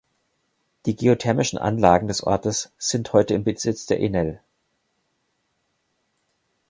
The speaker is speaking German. Die geothermischen Anlagen des Ortes sind heute im Besitz der Enel.